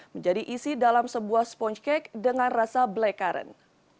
menjadi isi dalam sebuah sponge cake dengan rasa blackcurrant